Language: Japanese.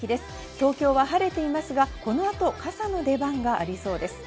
東京は晴れていますが、この後、傘の出番がありそうです。